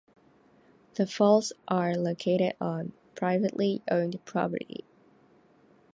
The falls are located on privately owned property.